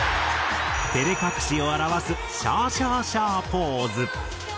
照れ隠しを表すシャーシャーシャーポーズ。